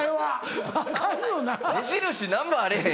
目印何もあれへん。